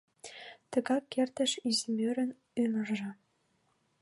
Тыгак эртыш изимӧрын ӱмыржӧ.